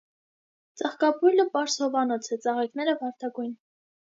Ծաղկաբույլը պարզ հովանոց է, ծաղիկները՝ վարդագույն։